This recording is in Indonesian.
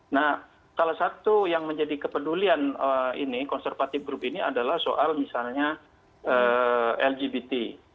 nah salah satu yang menjadi kepedulian ini konservatif grup ini adalah soal misalnya lgbt